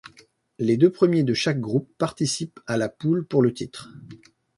Les deux premiers de chaque groupe participent à la poule pour le titre.